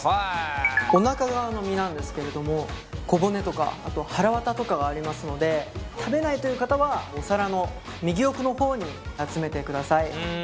おなか側の身なんですけれども小骨とかはらわたとかがありますので食べないという方はお皿の右奥の方に集めてください。